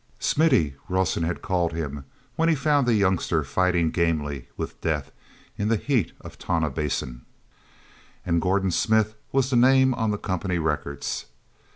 mithy," Rawson had called him when he found the youngster fighting gamely with death in the heat of Tonah Basin. And Gordon Smith was the name on the company records.